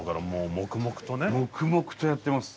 黙々とやってます。